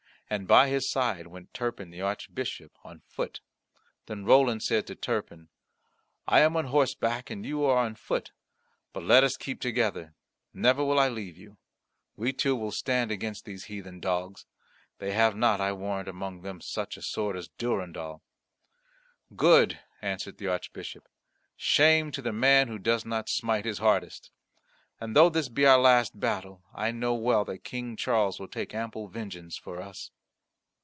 And by his side went Turpin the Archbishop on foot. Then said Roland to Turpin, "I am on horseback and you are on foot. But let us keep together; never will I leave you; we two will stand against these heathen dogs. They have not, I warrant, among them such a sword as Durendal." "Good," answered the Archbishop. "Shame to the man who does not smite his hardest. And though this be our last battle, I know well that King Charles will take ample vengeance for us."